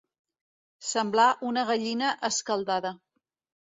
Semblar una gallina escaldada.